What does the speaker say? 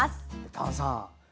丹さん